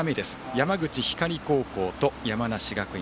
山口・光高校と山梨学院。